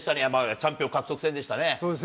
チャンピオン獲得戦でしたね。